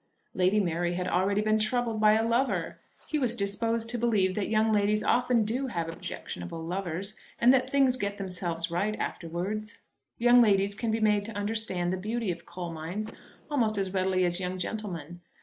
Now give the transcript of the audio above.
Lady Mary had already been troubled by a lover! He was disposed to believe that young ladies often do have objectionable lovers, and that things get themselves right afterwards. Young ladies can be made to understand the beauty of coal mines almost as readily as young gentlemen.